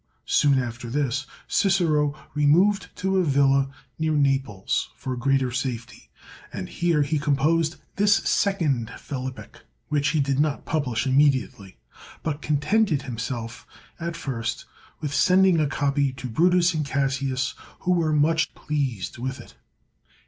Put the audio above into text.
Soon after this, Cicero removed to a villa near Naples for greater safety, and here he composed this second phil ippic, which he did not publish immediately, but contented himself at first with sending a copy to Brutus and Classius, who were much pleased with it."